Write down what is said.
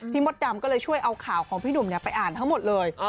มดดำก็เลยช่วยเอาข่าวของพี่หนุ่มไปอ่านทั้งหมดเลย